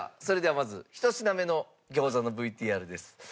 それではまず１品目の餃子のＶＴＲです。